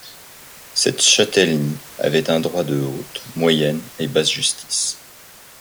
Cette châtellenie avait un droit de haute, moyenne et basse justice.